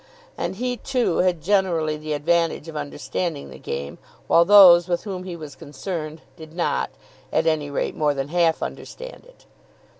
And he, too, had generally the advantage of understanding the game, while those with whom he was concerned did not, at any rate, more than half understand it.